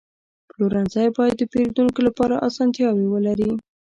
پلورنځی باید د پیرودونکو لپاره اسانتیاوې ولري.